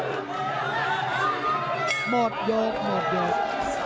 หมดยกหมดยก